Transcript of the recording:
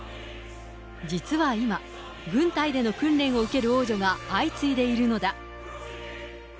実は今、軍隊での訓練を受ける王女が相次いでいるのだ。